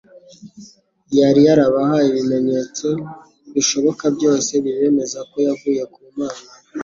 Yari yarabahaye ibimenyetso bishoboka byose bibemeza ko yavuye ku Mana;